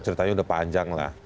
ceritanya udah panjang